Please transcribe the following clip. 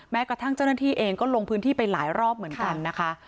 กระทั่งเจ้าหน้าที่เองก็ลงพื้นที่ไปหลายรอบเหมือนกันนะคะ